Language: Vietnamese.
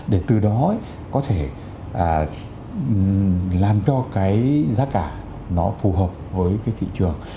để từ đó có thể làm cho cái giá cả nó phù hợp với cái thị trường